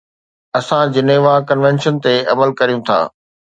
اسان Geneva convention تي عمل ڪريون ٿا.